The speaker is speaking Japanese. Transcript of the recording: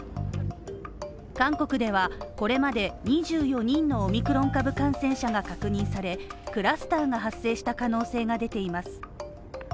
韓国ではこれまで２４人のオミクロン株感染者が確認されクラスターが発生した可能性がでています。